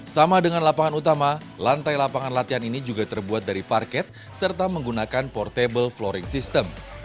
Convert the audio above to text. sama dengan lapangan utama lantai lapangan latihan ini juga terbuat dari parket serta menggunakan portable floaring system